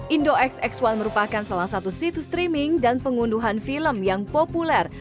indo xx satu merupakan salah satu situs streaming dan pengunduhan film yang populer